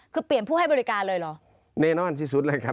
คือเปลี่ยนผู้ให้บริการเลยเหรอแน่นอนที่สุดเลยครับ